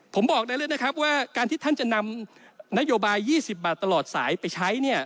ผมบอกได้เลยนะครับว่าการที่ท่านจะนำนโยบาย๒๐บาทตลอดสายไปใช้เนี่ย